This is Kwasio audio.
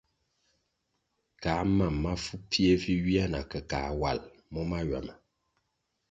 Kā mam mafu pfie vi ywia na ke kā wal mo mahywama.